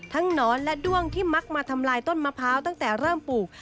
หนอนและด้วงที่มักมาทำลายต้นมะพร้าวตั้งแต่เริ่มปลูก